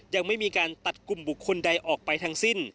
ยังไม่มีการตัดกลุ่มบุคคลใดออกไปทั้งสิ้น